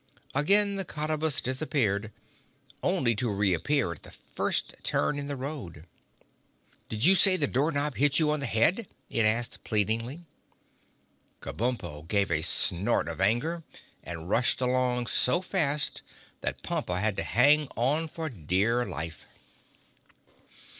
Again the Cottabus disappeared, only to reappear at the first turn in the road. "Did you say the door knob hit you on the head?" it asked pleadingly. Kabumpo gave a snort of anger and rushed along so fast that Pompa had to hang on for dear life.